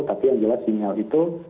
tapi yang jelas sinyal itu